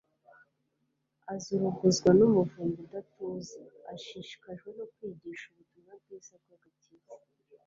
azuruguzwa n'umuvumba udatuza, ashishikajwe no kwigisha ubutumwa bwiza bw'agakiza